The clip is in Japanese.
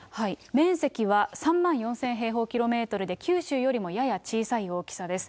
面積は３万４０００平方キロメートルで、九州よりもやや小さい大きさです。